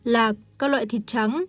lạc các loại thịt trắng